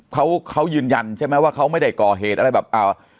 เขาเขายืนยันใช่ไหมว่าเขาไม่ได้ก่อเหตุอะไรแบบอ่า